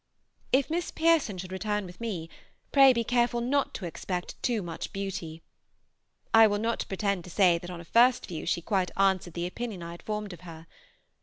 If Miss Pearson should return with me, pray be careful not to expect too much beauty. I will not pretend to say that on a first view she quite answered the opinion I had formed of her.